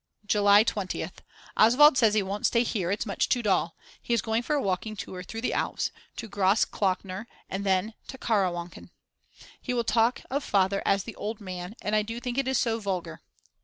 July 20th. Oswald says he won't stay here, it's much too dull, he is going for a walking tour through the Alps, to Grossglockner, and then to the Karawanken. He will talk of Father as the "Old Man," and I do think it is so vulgar.